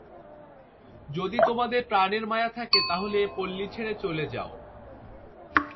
যদি তোমাদের প্রাণের মায়া থাকে তাহলে এ পল্লী ছেড়ে চলে যাও।